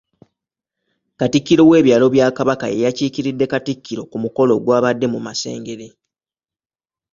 Katikkiro w’ebyalo bya Kabaka y'eyakiikiridde Katikkiro ku mukolo ogwabadde mu Masengere.